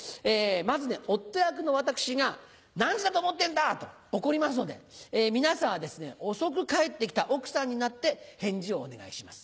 まず夫役の私が「何時だと思ってんだ！」と怒りますので皆さんはですね遅く帰ってきた奥さんになって返事をお願いします。